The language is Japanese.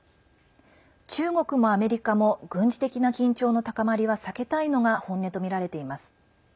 中国もアメリカも軍事的な緊張の高まりは避けたいのが本音とみられています。